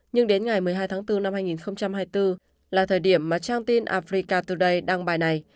nhưng đến ngày một mươi hai tháng bốn năm hai nghìn hai mươi bốn là thời điểm mà trang tin africa today đăng bài này